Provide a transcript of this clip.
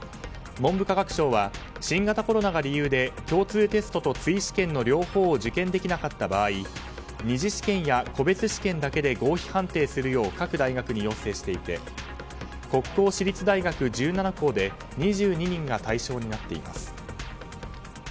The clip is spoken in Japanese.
文部科学省は新型コロナが理由で共通テストと追試験の両方を受験できなかった場合２次試験や個別試験だけで合否判定するよう各大学に要請していて国公私立大学１７校で２２人が対象になっています。